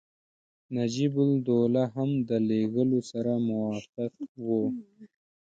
نجیب الدوله هم د لېږلو سره موافق وو.